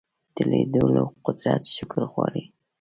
د لیدلو قدرت شکر غواړي